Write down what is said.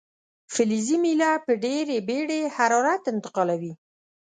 فلزي میله په ډیره بیړې حرارت انتقالوي.